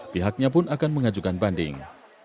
pihaknya pun akan mengajukan banding